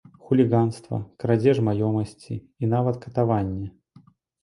Хуліганства, крадзеж маёмасці, і нават катаванне!